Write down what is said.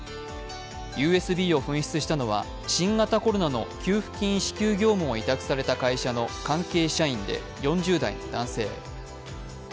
ＵＳＢを紛失したのは新型コロナの給付金支給業務を委託された会社の関係社員で４０代の男性。